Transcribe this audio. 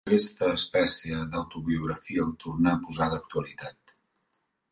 Aquesta espècie d'autobiografia el tornà a posar d'actualitat.